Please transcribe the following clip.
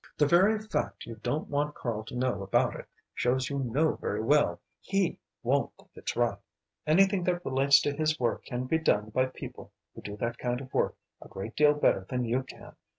The very fact you don't want Karl to know about it shows you know very well he won't think it's right. Anything that relates to his work can be done by people who do that kind of work a great deal better than you can.